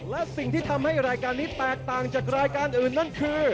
และสิ่งที่ทำให้รายการนี้แตกต่างจากรายการอื่นนั่นคือ